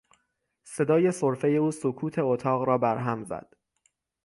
صدای سرفهی او سکوت اتاق را بر هم زد.